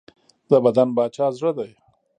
د بدن باچا زړه دی.